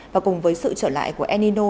và cùng với sự trở lại của el nino